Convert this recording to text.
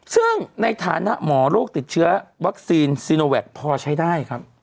ซึ่งในฐานะหมอโรคติดเชื้อวัคซีนซีโนแวคพอใช้ได้ครับ